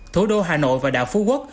thủ đô hà nội và đảo phú quốc